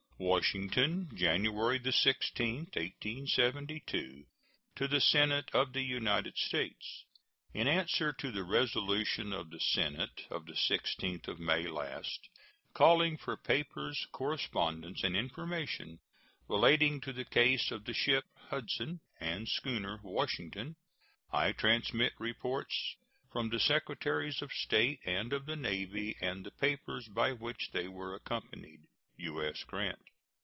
WASHINGTON, January 16, 1872. To the Senate of the United States: In answer to the resolution of the Senate of the 16th of May last, calling for papers, correspondence, and information relating to the case of the ship Hudson and schooner Washington I transmit reports from the Secretaries of State and of the Navy and the papers by which they were accompanied. U.S. GRANT.